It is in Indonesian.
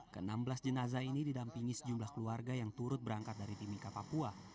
ke enam belas jenazah ini didampingi sejumlah keluarga yang turut berangkat dari timika papua